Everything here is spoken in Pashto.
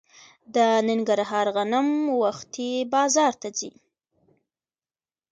د ننګرهار غنم وختي بازار ته راځي.